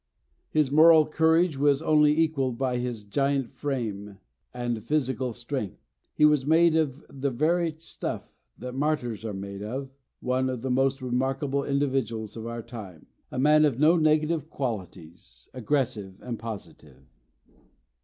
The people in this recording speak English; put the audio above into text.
His moral courage was only equalled by his giant frame and physical strength. He was made of the very stuff that martyrs are made of: one of the most remarkable individualities of our time. A man of no negative qualities, aggressive and positive.